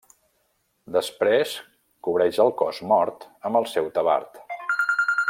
Després cobreix el cos mort amb el seu tabard.